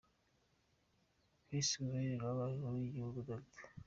Visi Guverineri wa Banki Nkuru y’ igihugu, Dr.